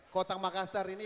kota makassar ini